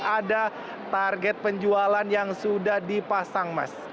ada target penjualan yang sudah dipasang mas